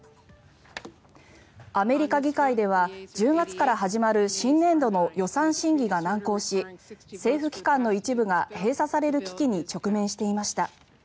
アメリカ議会では１０月から始まる新年度の予算審議が難航し政府機関の一部が閉鎖される危機に直面していました。